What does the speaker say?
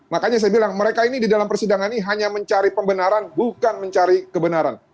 makanya saya bilang mereka ini di dalam persidangan ini hanya mencari pembenaran bukan mencari kebenaran